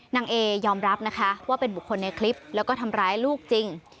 นางเอยอมรับนะคะว่าเป็นบุคคลในคลิปแล้วก็ทำร้ายลูกจริง